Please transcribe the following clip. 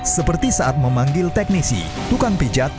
seperti saat memanggil teknisi tukang pijat